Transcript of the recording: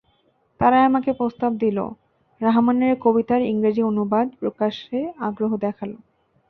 তারাই আমাকে প্রস্তাব দিল, রাহমানের কবিতার ইংরেজি অনুবাদ প্রকাশে আগ্রহ দেখাল।